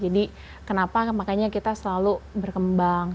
kenapa makanya kita selalu berkembang